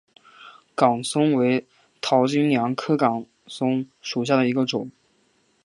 岗松为桃金娘科岗松属下的一个种。